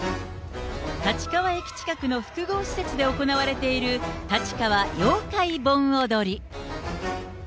立川駅近くの複合施設で行われている、たちかわ妖怪盆踊り。